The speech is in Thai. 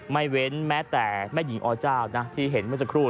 ไม่เว้นแม้แต่แม่หญิงอเจ้านะที่เห็นเมื่อสักครู่